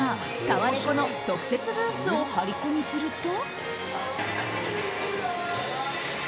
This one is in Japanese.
「ポップＵＰ！」がタワレコの特設ブースを張り込みすると。